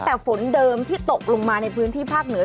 แต่ฝนเดิมที่ตกลงมาในพื้นที่ภาคเหนือ